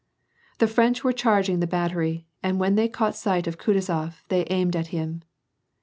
The French were charging the battery, and when they caught sight of Kutuzof they aimed at him.